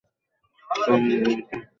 তারপর এগুলোকে একেবারেই তারা ছেড়ে দিল।